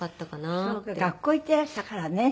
学校行っていらしたからね。